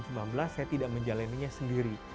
saya tidak menjalannya sendiri